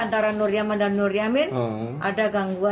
antara nur yaman dan nur yamin ada gangguan